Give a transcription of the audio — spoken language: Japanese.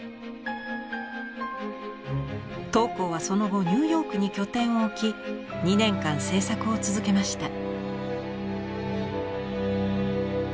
桃紅はその後ニューヨークに拠点を置き２年間制作を続けました。